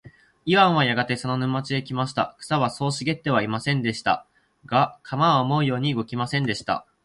イワンはやがてその沼地へ来ました。草はそう茂ってはいませんでした。が、鎌は思うように動きませんでした。